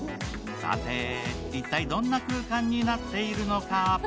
さて、一体どんな空間になっているのか。